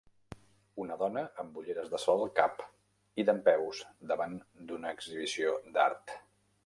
Una dona amb ulleres de sol al cap i dempeus davant d'una exhibició d'art.